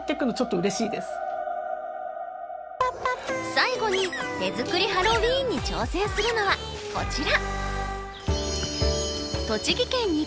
最後に手作りハロウィーンに挑戦するのはこちら！